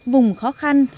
vùng khó khăn